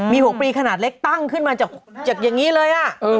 มี๖ปีขนาดเล็กตั้งขึ้นมาจากอย่างนี้เลย